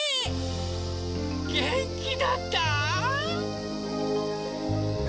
げんきだった？